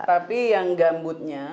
tapi yang gambutnya